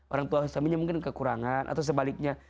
orang tua suaminya mungkin kekurangan atau sebaliknya